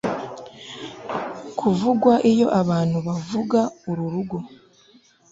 kuvugwa iyo abantu bavuga uru rugo